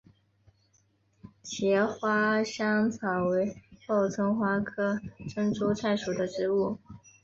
茄花香草为报春花科珍珠菜属的植物。